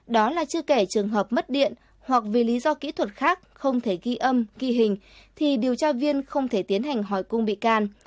đó là chưa kể trường hợp mất điện hoặc vì lý do kỹ thuật khác không thể ghi âm ghi hình thì điều tra viên không thể tiến hành hỏi cung bị can